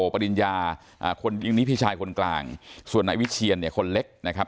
ปริญญาคนยิงนี้พี่ชายคนกลางส่วนนายวิเชียนเนี่ยคนเล็กนะครับ